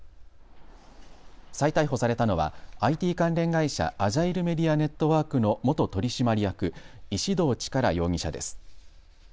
再逮捕されたのはＩＴ関連会社、アジャイルメディア・ネットワークの元取締役、石動力容疑者です。